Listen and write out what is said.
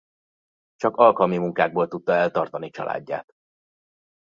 Csak alkalmi munkákból tudta eltartani családját.